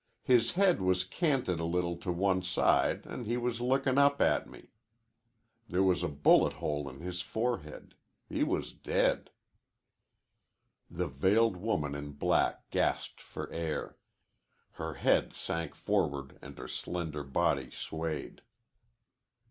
His head was canted a little to one side an' he was lookin' up at me. There was a bullet hole in his forehead. He was dead." The veiled woman in black gasped for air. Her head sank forward and her slender body swayed.